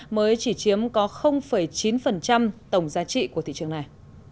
mới chỉ chiếm có chín tổng giá trị của thị trường này